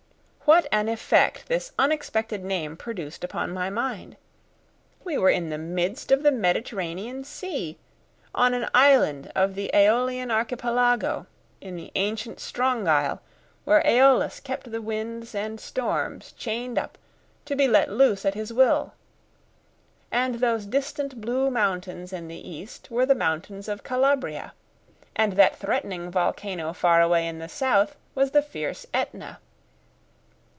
What an effect this unexpected name produced upon my mind! We were in the midst of the Mediterranean Sea, on an island of the Æolian archipelago, in the ancient Strongyle, where Æolus kept the winds and the storms chained up, to be let loose at his will. And those distant blue mountains in the east were the mountains of Calabria. And that threatening volcano far away in the south was the fierce Etna.